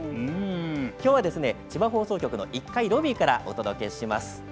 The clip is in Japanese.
きょうは千葉放送局の１階ロビーからお届けします。